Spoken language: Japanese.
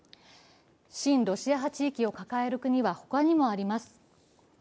親ロシア派地域を抱える国は、他にもあります。